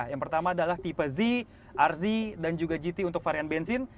yang pertama adalah tipe z rz dan juga gt untuk varian bensin